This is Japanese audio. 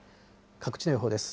各地の予報です。